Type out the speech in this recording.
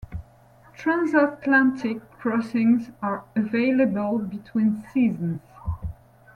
Transatlantic crossings are available between seasons.